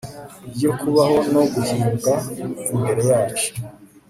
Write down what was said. yo kubaho no guhimbwa imbere yacu